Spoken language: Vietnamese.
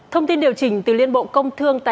thông tin điều chỉnh từ liên bộ công thương